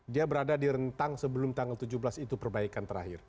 dia berada di rentang sebelum tanggal tujuh belas itu perbaikan terakhir